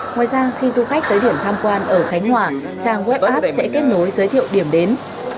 ngoài ra khi du khách tới điểm tham quan ở khánh hòa trang web app sẽ kết nối giới thiệu điểm đến